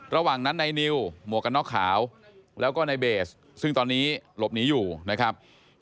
ระหว่างนั้นในนิวหมวกกันน็อกขาวแล้วก็ในเบสซึ่งตอนนี้หลบหนีอยู่นะครับ